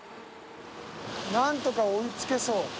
何とか追いつけそう。